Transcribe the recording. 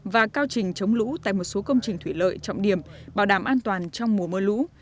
và cao trình chống lũ tại một số công trình thủy lợi trọng điểm bảo đảm an toàn trong mùa mưa lũ